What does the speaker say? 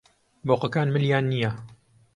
بۆقەکان ملیان نییە.